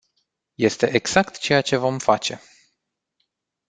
Este exact ceea ce vom face.